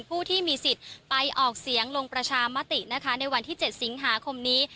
ผู้ที่มีสิทธิ์ไปออกเสียงลงประชามตินะคะในวันที่๗สิงหาคมนี้